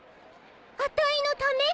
あたいのため？